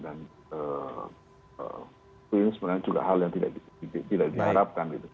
dan itu sebenarnya juga hal yang tidak diharapkan gitu